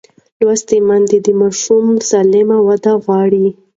لوستې میندې د ماشوم سالمه وده غواړي.